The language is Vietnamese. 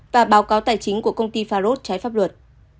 và báo cáo tài chính của công ty farod trái pháp luật